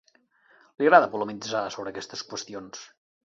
Li agrada polemitzar sobre aquestes qüestions.